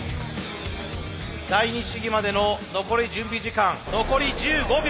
第二試技までの残り準備時間残り１５秒。